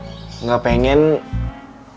gak pengen mencoba hal hal